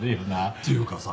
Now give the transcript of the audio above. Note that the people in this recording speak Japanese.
っていうかさ